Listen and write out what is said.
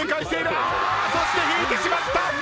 そして引いてしまった！